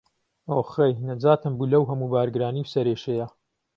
ئۆخەی، نەجاتم بوو لەو هەموو بارگرانی و سەرێشەیە.